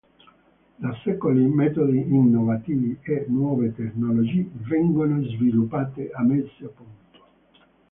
Da secoli, metodi innovativi e nuove tecnologie vengono sviluppate e messe a punto.